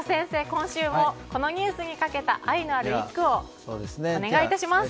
今週もこのニュースにかけた愛のある一句をお願い致します。